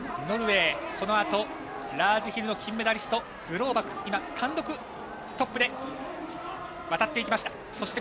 ノルウェーラージヒルの金メダリストグローバク、単独トップで渡っていきました。